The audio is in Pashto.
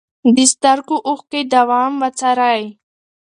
د سترګو اوښکې دوام وڅارئ.